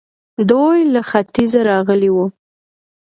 دوی له ختيځه راغلي وو